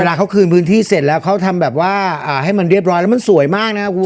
เวลาเขาคืนพื้นที่เสร็จแล้วเขาทำแบบว่าให้มันเรียบร้อยแล้วมันสวยมากนะครับคุณ